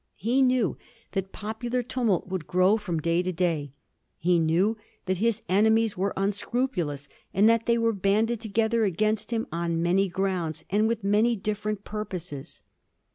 He knew that popular tumult would grow from day to day. He knew that his enemies were unscrupulous, and that they were banded together against him on many grounds, and with many different purposes.